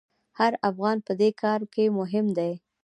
هر افغان په دې کار کې مهم دی.